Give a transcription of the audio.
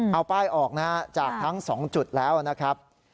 เอาป้ายออกนะฮะจากทั้ง๒จุดแล้วนะครับ